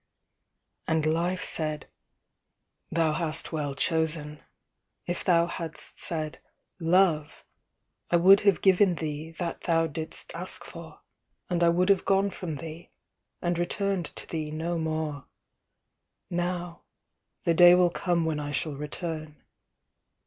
ŌĆØ And Life said, ŌĆ£Thou hast well chosen. If thou hadst said, ŌĆśLove, ŌĆÖ I would have given thee that thou didst ask for; and I would have gone from thee, and returned to thee no more. Now, the day will come when I shall return.